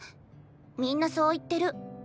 みんなそう言ってる。